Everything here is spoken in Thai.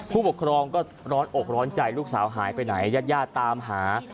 ผู้ปกครองก็ร้อนอกร้อนใจลูกสาวหายไปไหนญาติญาติตามหา